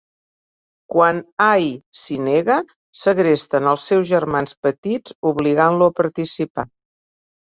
Quan Hai s'hi nega, segresten els seus germans petits, obligant-lo a participar.